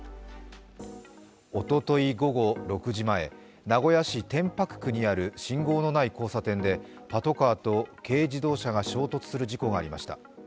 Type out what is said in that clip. おととい午後６時前、名古屋市天白区にある信号のない交差点でパトカーと軽自動車が衝突する事故がありました。